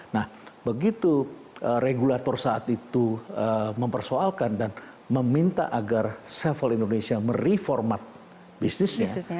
nah begitu regulator saat itu mempersoalkan dan meminta agar several indonesia mereformat bisnisnya